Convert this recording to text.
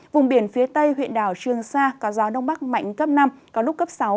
vùng biển phía tây huyện đảo trương sa có gió đông bắc mạnh cấp năm có lúc cấp sáu